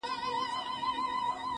سیاه پوسي ده، ورته ولاړ یم,